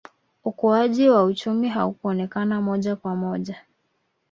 ukuaji wa uchumi haukuonekana moja kwa moja